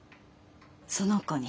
その子に。